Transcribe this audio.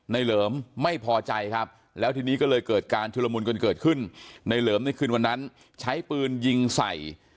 เหลิมไม่พอใจครับแล้วทีนี้ก็เลยเกิดการชุลมุนกันเกิดขึ้นในเหลิมในคืนวันนั้นใช้ปืนยิงใส่